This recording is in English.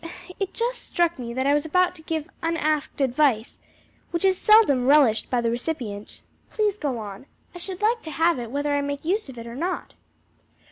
"It just struck me that I was about to give unasked advice, which is seldom relished by the recipient." "Please go on. I should like to have it whether I make use of it or not."